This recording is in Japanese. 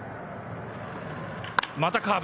またカーブ。